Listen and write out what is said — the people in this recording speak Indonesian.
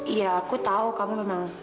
iya aku tahu kamu memang